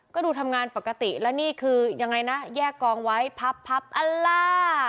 ก็ดูทำงานปกติแล้วนี่คือยังไงนะแยกกองไว้พับพับอัลล่า